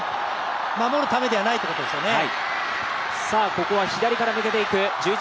守るためではないということですよね。